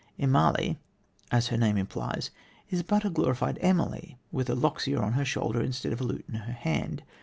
Immalee, as her name implies, is but a glorified Emily with a loxia on her shoulder instead of a lute in her hand.